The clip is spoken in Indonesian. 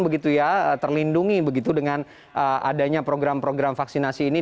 begitu ya terlindungi begitu dengan adanya program program vaksinasi ini